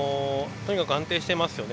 とにかく安定してますよね。